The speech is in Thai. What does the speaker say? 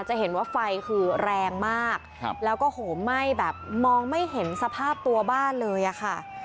จะเห็นว่าไฟคือแรงมากแล้วก็โหมไหม้แบบมองไม่เห็นสภาพตัวบ้านเลยอะค่ะ